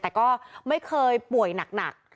แต่ก็ไม่เคยป่วยหนัก